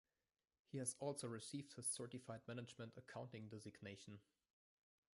He has also received his Certified Management Accounting designation.